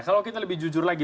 kalau kita lebih jujur lagi